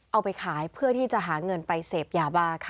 เอาไปขายเพื่อที่จะหาเงินไปเสพยาบ้าค่ะ